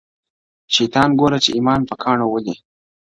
شیطان ګوره چي ایمان په کاڼو ولي-